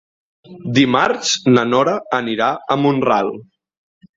Dimarts na Nora anirà a Mont-ral.